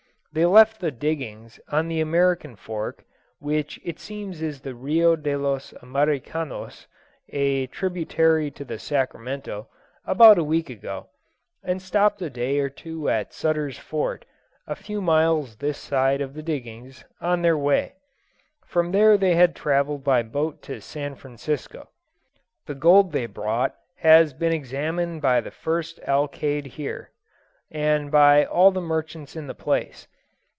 They left the "diggings" on the American Fork (which it seems is the Rio de los Americanos, a tributary to the Sacramento) about a week ago, and stopt a day or two at Sutter's fort, a few miles this side of the diggings, on their way; from there they had travelled by boat to San Francisco. The gold they brought has been examined by the first Alcalde here, and by all the merchants in the place.